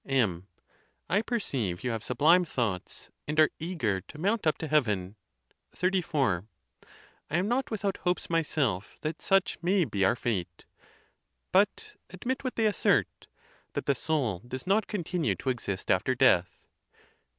M. I perceive you have sublime thoughts, and are eager to mount up to heaven. XXXIV. I am not without hopes myself that such may be our fate. But admit what they assert—that the soul does not continue to exist after death.